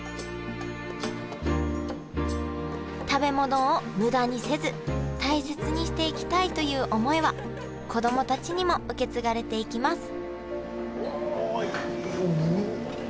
食べ物を無駄にせず大切にしていきたいという思いは子供たちにも受け継がれていきます